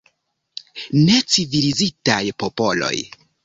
Necivilizitaj popoloj.